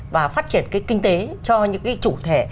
và phát triển cái kinh tế cho những cái chủ thể